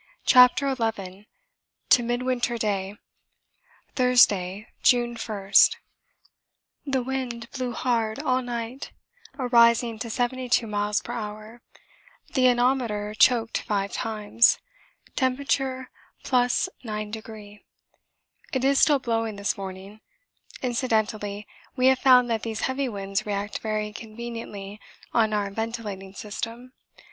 CHAPTER XI To Midwinter Day Thursday, June 1. The wind blew hard all night, gusts arising to 72 m.p.h.; the anemometer choked five times temperature +9°. It is still blowing this morning. Incidentally we have found that these heavy winds react very conveniently on our ventilating system.